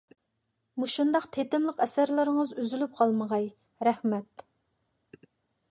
مۇشۇنداق تېتىملىق ئەسەرلىرىڭىز ئۈزۈلۈپ قالمىغاي. رەھمەت!